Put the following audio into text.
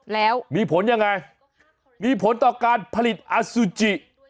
แล้วมีผลยังไงมีผลต่อการผลิตอสุจิ